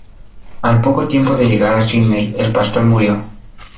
Al poco tiempo de llegar a Sídney, el pastor murió.